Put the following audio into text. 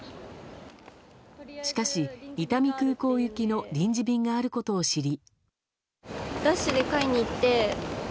しかし、伊丹空港行きの臨時便があることを知り。